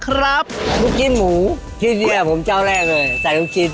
ครับลูกชิ้นหมูที่นี่ผมเจ้าแรกเลยใส่ลูกชิ้น